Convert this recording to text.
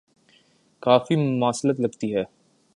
کافی مماثلت لگتی ہے۔